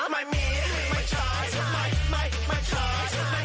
ไม่มีไม่ไม่ใช่ไม่ไม่ไม่ใช่